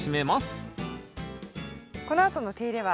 このあとの手入れは？